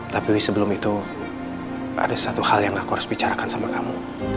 tapi sebelum itu ada satu hal yang aku harus bicarakan sama kamu